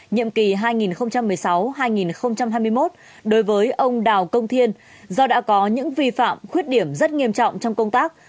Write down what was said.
nhiệm kỳ hai nghìn một mươi sáu hai nghìn hai mươi một đối với ông đào công thiên do đã có những vi phạm khuyết điểm rất nghiêm trọng trong công tác